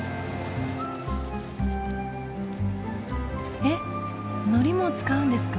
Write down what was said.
えっのりも使うんですか？